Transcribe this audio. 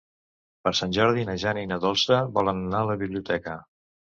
Per Sant Jordi na Jana i na Dolça volen anar a la biblioteca.